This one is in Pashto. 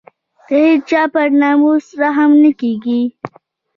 د هېچا پر ناموس رحم نه کېږي.